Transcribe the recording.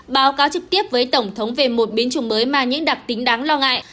báo cáo trực tiếp với tổng thống về một biến chủng mới mà những đặc tính đáng lo ngại